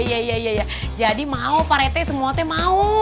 iya iya iya jadi mau pak reti semua tuh mau